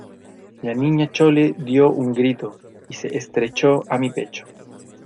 la Niña Chole dió un grito y se estrechó a mi pecho: